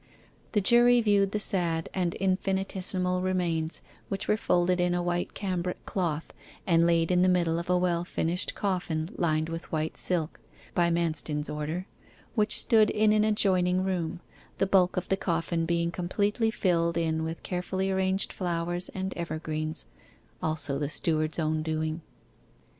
The jury viewed the sad and infinitesimal remains, which were folded in a white cambric cloth, and laid in the middle of a well finished coffin lined with white silk (by Manston's order), which stood in an adjoining room, the bulk of the coffin being completely filled in with carefully arranged flowers and evergreens also the steward's own doing.